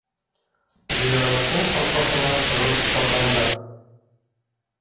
Зыяраттың ҡапҡаһынан сығып барғанда: